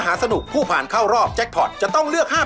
ถ้าปล่อยตุ๊กลงก่อนจะเอาเบอร์๑